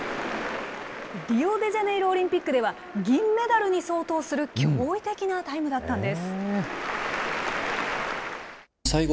リオデジャネイロオリンピックでは銀メダルに相当する驚異的なタイムだったんです。